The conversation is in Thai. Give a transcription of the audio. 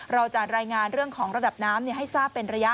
เราจะรายงานเรื่องของระดับน้ำให้ทราบเป็นระยะ